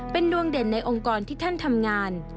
เป็นดวงเด่นในองค์กรที่ท่านทำงาน